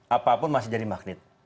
apapun masih jadi magnet